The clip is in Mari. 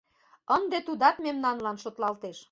— Ынде тудат мемнанлан шотлалтеш.